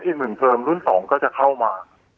อีก๑เทอมรุ่น๒ก็จะเข้ามา